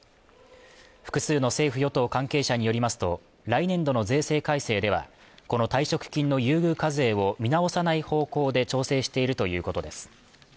複数の政府・与党関係者によりますと来年度の税制改正ではこの退職金の優遇課税を見直さない方向で調整しているということです